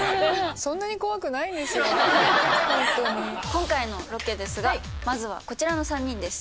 今回のロケですがまずはこちらの３人です。